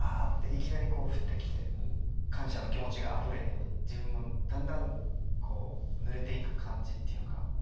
いきなりこう降ってきて感謝の気持ちがあふれて自分もだんだんぬれていく感じっていうか。